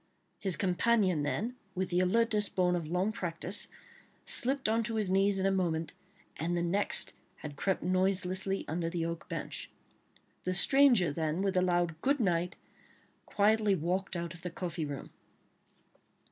his companion then, with the alertness borne of long practice, slipped on to his knees in a moment, and the next had crept noiselessly under the oak bench. The stranger then, with a loud "Good night," quietly walked out of the coffee room.